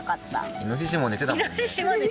イノシシも寝てたね。